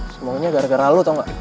semuanya gara gara lo tau gak